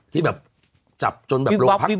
ที่จับจนโรงพักเต็ม